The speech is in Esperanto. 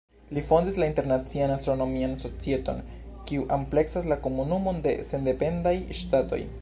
Li fondis la Internacian Astronomian Societon, kiu ampleksas la Komunumon de Sendependaj Ŝtatoj.